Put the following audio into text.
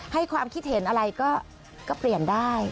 ให้ความคิดเห็นอะไรก็เปลี่ยนได้